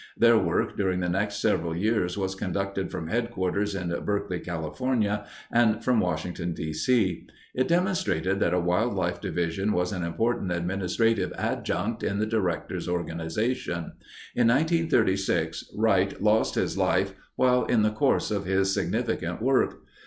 Their work during the next several years was conducted from headquarters in Berkeley, California, and from Washington, D. C. It demonstrated that a Wildlife Division was an important administrative adjunct in the Director's organization. In 1936, Wright lost his life while in the course of his significant work.